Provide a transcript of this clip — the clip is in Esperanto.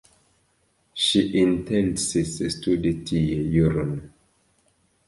Ŝi intencis studi tie juron.